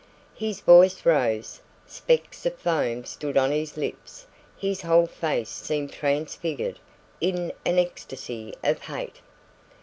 His voice rose, specks of foam stood on his lips his whole face seemed transfigured in an ecstasy of hate.